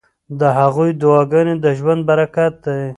د هغوی دعاګانې د ژوند برکت دی.